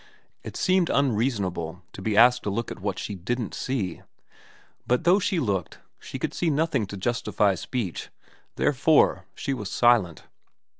It seemed unreasonable to be asked to look at what she didn't see. But though she looked, she could see nothing to justify speech. Therefore she was silent.